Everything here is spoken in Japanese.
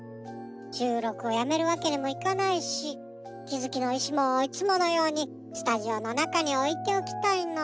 しゅうろくをやめるわけにもいかないしきづきのいしもいつものようにスタジオのなかにおいておきたいの。